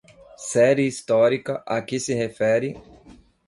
Série histórica a que se refere